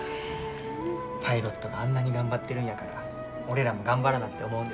パイロットがあんなに頑張ってるんやから俺らも頑張らなって思うんです。